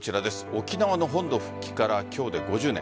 沖縄の本土復帰から今日で５０年。